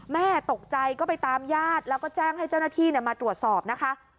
แม่ตกใจก็ไปตามญาติแล้วก็แจ้งให้เจ้าหน้าที่มาตรวจสอบนะคะ